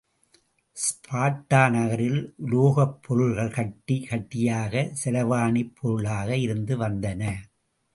Sparta நகரில் உலோகப் பொருள்கள் கட்டி கட்டியாகச் செலாவ்ணிப் பொருளாக இருந்து வந்தன.